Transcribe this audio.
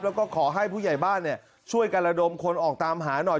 แล้วก็ขอให้ผู้ใหญ่บ้านช่วยกันระดมคนออกตามหาหน่อย